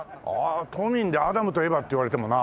都民で『アダムとエヴァ』っていわれてもな。